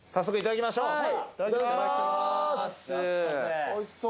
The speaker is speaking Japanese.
早速いただきましょう。